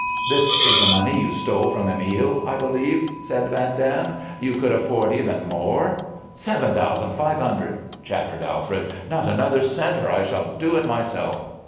"This is the money you stole from Emile, I believe," said Van Dam. "You could afford even more " "Seven thousand five hundred!" chattered Alfred. "Not another cent, or I shall do it myself."